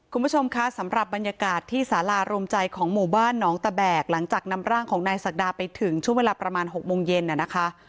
คุณผู้ชมคะสำหรับบรรยากาศที่สารารวมใจของหมู่บ้านหนองตะแบกหลังจากนำร่างของนายศักดาไปถึงช่วงเวลาประมาณ๖โมงเย็นน่ะนะคะ